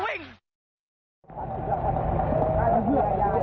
สวัสดีครับคุณผู้ชาย